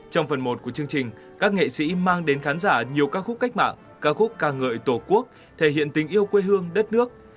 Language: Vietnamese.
trong phần một của chương trình các nghệ sĩ mang đến khán giả nhiều ca khúc cách mạng ca khúc ca ngợi tổ quốc thể hiện tình yêu quê hương đất nước